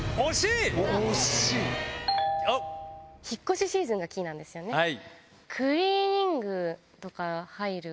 引っ越しシーズンがキーなんですよね。